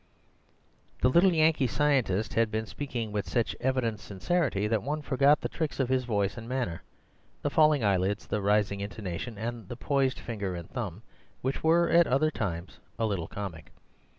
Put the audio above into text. The little Yankee scientist had been speaking with such evident sincerity that one forgot the tricks of his voice and manner— the falling eyelids, the rising intonation, and the poised finger and thumb—which were at other times a little comic.